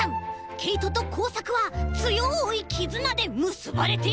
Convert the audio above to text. けいととこうさくはつよいきずなでむすばれているのです！